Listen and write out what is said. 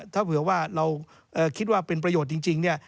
ถ้าเผื่อว่าเราคิดว่าเป็นประโยชน์จริงเนี่ย